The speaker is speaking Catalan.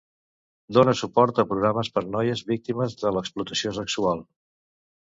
Dóna suport a programes per noies víctimes de l'explotació sexual.